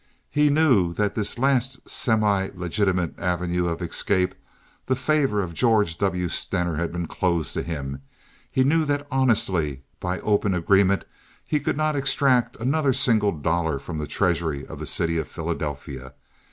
He knew that his last semi legitimate avenue of escape—the favor of George W. Stener—had been closed to him! He knew that honestly, by open agreement, he could not extract another single dollar from the treasury of the city of Philadelphia.